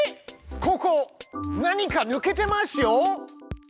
ここ何かぬけてますよ。